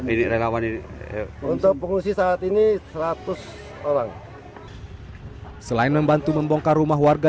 ini relawan ini untuk pengungsi saat ini seratus orang selain membantu membongkar rumah warga